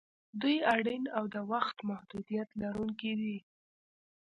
دوی اړین او د وخت محدودیت لرونکي دي.